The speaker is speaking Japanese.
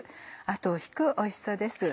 後を引くおいしさです。